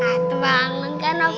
ada bangun kan om rafa